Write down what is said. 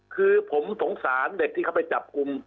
คือผมสงสารเด็กที่เขาไปจับกลุ่ม